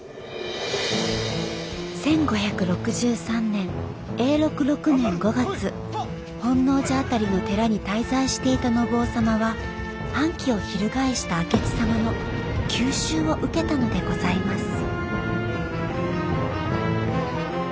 １５６３年永禄６年５月本能寺辺りの寺に滞在していた信夫様は反旗を翻した明智様の急襲を受けたのでございます